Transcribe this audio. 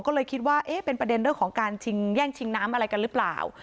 ก็เลยคิดว่าเอ๊ะเป็นประเด็นเรื่องของการชิงแย่งชิงน้ำอะไรกันหรือเปล่า